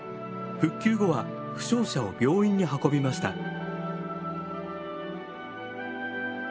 復旧後は負傷者を病院に運びました。